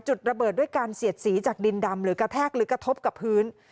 ระเบิดด้วยการเสียดสีจากดินดำหรือกระแทกหรือกระทบกับพื้น